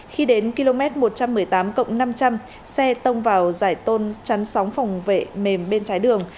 khi đến km một trăm một mươi tám năm trăm linh xe tông vào giải tôn chắn sóng phòng vệ mềm bên trái đường